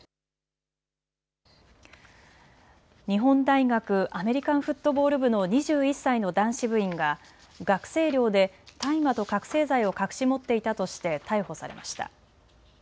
日本大学アメリカンフットボール部の２１歳の男子部員が学生寮で大麻と覚醒剤を隠し持っていたとして逮捕されました。